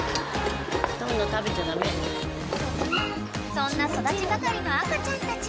［そんな育ち盛りの赤ちゃんたち